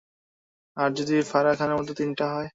আর যদি ফারাহ খানের মতো তিনটা হয়?